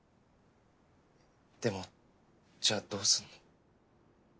でもじゃあどうすんの？